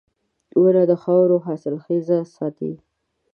• ونه د خاورو حاصلخېزي ساتي.